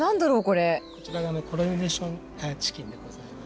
こちらがコロネーションチキンでございます。